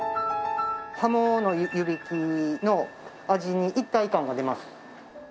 ハモの湯引きの味に一体感が出ます。